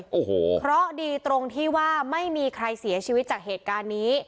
โอ้โหเพราะดีตรงที่ว่าไม่มีใครเสียชีวิตจากเหตุการณ์นี้